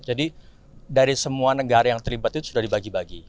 jadi dari semua negara yang terlibat itu sudah dibagi bagi